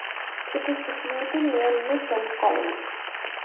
It is situated near New Friends Colony.